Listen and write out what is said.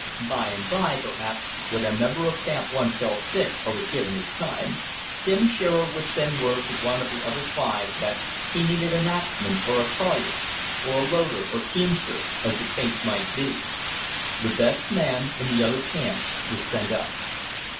By and by, perhaps, when a member of Camp One fell sick or was given his time, Tim Shearer would send word to one of the other five that he needed an axman or a sawyer, or a loader, or teamster, as the case might be. The best man in the other camps was sent up.